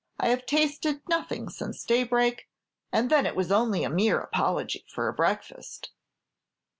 I have tasted nothing since daybreak, and then it was only a mere apology for a breakfast."